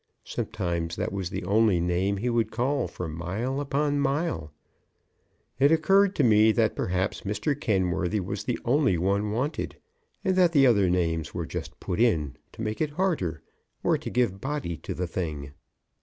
Sometimes that was the only name he would call for mile upon mile. It occurred to me that perhaps Mr. Kenworthy was the only one wanted, and that the other names were just put in to make it harder, or to give body to the thing.